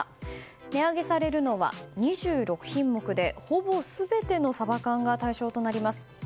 値上げされるのは２６品目でほぼ全てのサバ缶が対象となります。